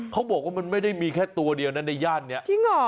เขาบอกว่ามันไม่ได้มีแค่ตัวเดียวนั้นในย่านเนี่ย